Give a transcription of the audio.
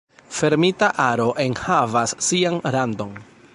Fermita aro enhavas sian randon.